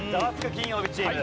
金曜日チーム。